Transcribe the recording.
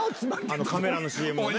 あのカメラのＣＭのね。